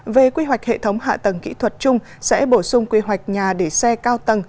về quy hoạch hệ thống hạ tầng kỹ thuật chung sẽ bổ sung quy hoạch nhà để xe cao tầng